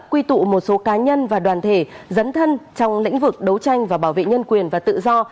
quy tụ một số cá nhân và đoàn thể dấn thân trong lĩnh vực đấu tranh và bảo vệ nhân quyền và tự do